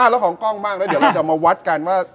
แล้วของกล้องบ้างแล้วเดี๋ยวเราจะมาวัดกันว่า